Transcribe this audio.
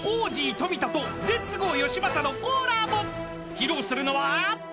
［披露するのは］